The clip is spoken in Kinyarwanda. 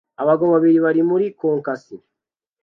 Abagabo babiri bo muri Caucase